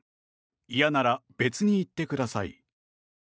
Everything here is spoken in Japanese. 嫌なら別に行ってください。